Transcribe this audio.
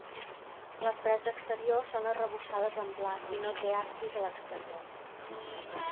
Les parets exteriors són arrebossades en blanc i no té absis a l'exterior.